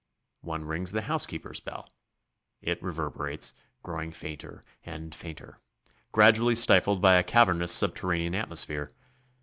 One rings the housekeeper's bell; it reverberates, growing fainter and fainter, gradually stifled by a cavernous subterranean atmosphere.